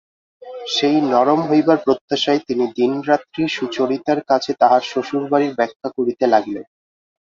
সেই নরম হইবার প্রত্যাশায় তিনি দিনরাত্রি সুচরিতার কাছে তাঁহার শ্বশুরবাড়ির ব্যাখ্যা করিতে লাগিলেন।